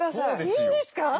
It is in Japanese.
いいんですか？